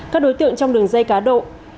các đối tượng trong đường dây cá độ